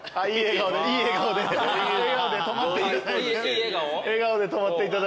笑顔で止まっていただいてます。